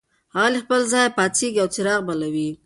هغه له خپل ځایه پاڅېږي او څراغ بلوي.